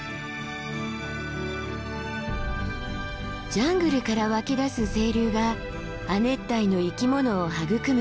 ジャングルから湧き出す清流が亜熱帯の生き物を育む